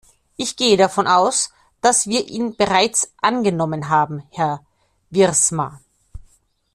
Ich gehe davon aus, dass wir ihn bereits angenommen haben, Herr Wiersma.